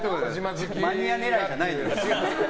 マニア狙いじゃないんですよ。